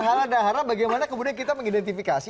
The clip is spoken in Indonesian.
halal dan hara bagaimana kemudian kita mengidentifikasi